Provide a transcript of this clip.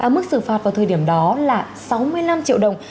mức xử phạt vào thời điểm đó là sáu mươi năm triệu đồng